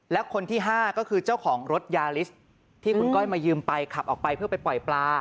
และคนที่๕ก็คือเจ้าของรถยาลิสที่คุณก้อยมายืมไปขับออกไปเพื่อไปปล่อยปลา